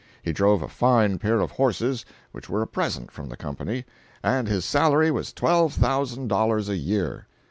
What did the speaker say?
He drove a fine pair of horses which were a present from the company, and his salary was twelve thousand dollars a year.